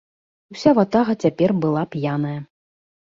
Уся ватага цяпер была п'яная.